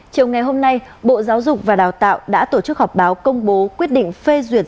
chiều ngày hôm nay bộ giáo dục và đào tạo đã tổ chức họp báo công bố quyết định phê duyệt